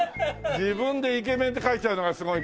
自分で「イケメン」って書いちゃうのがすごいけど。